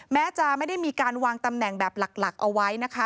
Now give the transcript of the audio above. แม้จะไม่ได้มีการวางตำแหน่งแบบหลักเอาไว้นะคะ